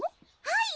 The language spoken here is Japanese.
はい！